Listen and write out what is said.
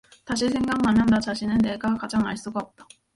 다시 생각하면 나 자신을 내가 가장 알 수가 없다.